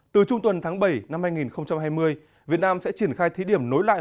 từ trung tuần tháng bảy năm hai nghìn hai mươi việt nam sẽ triển khai thí điểm nối lại